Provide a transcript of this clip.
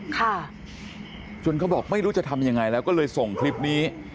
ค่ะจนเขาบอกไม่รู้จะทำยังไงแล้วก็เลยส่งคลิปนี้